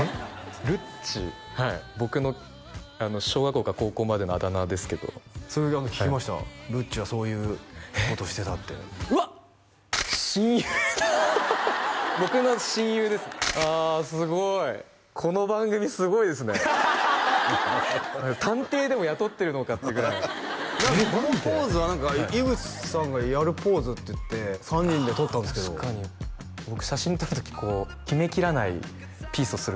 るっちはい僕の小学校から高校までのあだ名ですけどそれ聞きましたるっちはそういうことしてたってうわっ親友だ僕の親友ですねあすごいこの番組すごいですね探偵でも雇ってるのかっていうぐらいこのポーズは何か井口さんがやるポーズっていって３人で撮ったんですけど確かに僕写真撮る時こう決めきらないピースをする